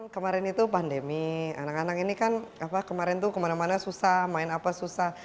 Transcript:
kemarin itu pandemi anak anak ini kan kemarin tuh kemana mana susah main apa susah